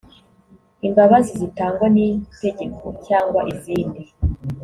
imbabazi zitangwa n itegeko cyangwa izindi